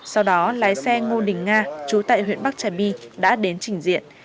sau đó lái xe ngô đình nga trú tại huyện bắc trà bi đã đến trình diện